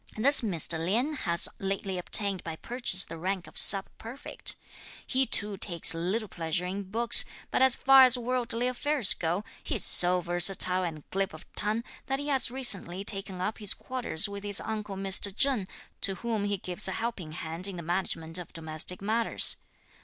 This Mr. Lien has lately obtained by purchase the rank of sub prefect. He too takes little pleasure in books, but as far as worldly affairs go, he is so versatile and glib of tongue, that he has recently taken up his quarters with his uncle Mr. Cheng, to whom he gives a helping hand in the management of domestic matters.